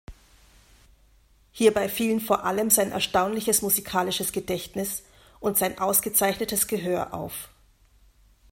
Hierbei fielen vor allem sein erstaunliches musikalisches Gedächtnis und sein ausgezeichnetes Gehör auf.